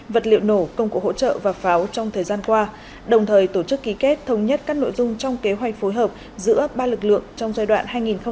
vật liệu nổ công cụ hỗ trợ và pháo trong thời gian qua đồng thời tổ chức ký kết thống nhất các nội dung trong kế hoạch phối hợp giữa ba lực lượng trong giai đoạn hai nghìn hai mươi hai nghìn hai mươi năm